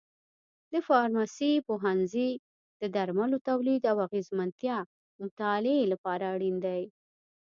د فارمسي پوهنځی د درملو تولید او اغیزمنتیا مطالعې لپاره اړین دی.